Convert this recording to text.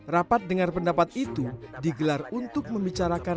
rapat dengar pendapat itu digelar untuk membicarakan